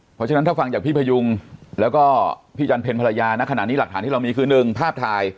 เพราะฉะนั้นถ้าฟังจากพี่พยุงแล้วก็พี่จันเพ็ญภรรยาณขณะนี้หลักฐานที่เรามีคือ๑ภาพถ่าย